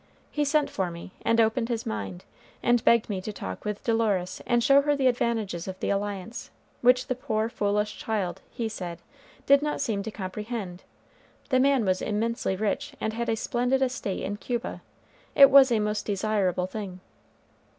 He sent for me, and opened his mind, and begged me to talk with Dolores and show her the advantages of the alliance, which the poor foolish child, he said, did not seem to comprehend. The man was immensely rich, and had a splendid estate in Cuba. It was a most desirable thing.